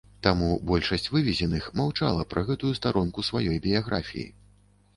Таму большасць вывезеных маўчала пра гэтую старонку сваёй біяграфіі.